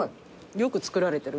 よく作られてる。